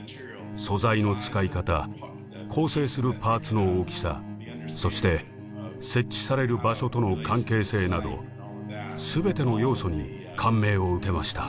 素材の使い方構成するパーツの大きさそして設置される場所との関係性など全ての要素に感銘を受けました。